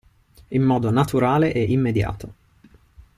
In modo naturale e immediato.